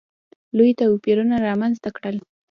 لوی توپیرونه رامځته کړل.